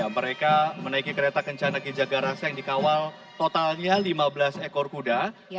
mereka menaiki kereta kencana gejaga rasa yang dikawal totalnya lima belas ekor kuda